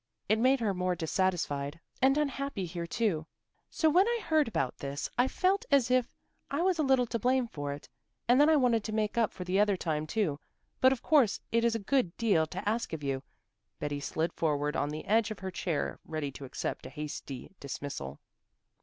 It made her more dissatisfied and unhappy here too; so when I heard about this I felt as if I was a little to blame for it, and then I wanted to make up for the other time too. But of course it is a good deal to ask of you." Betty slid forward on to the edge of her chair ready to accept a hasty dismissal.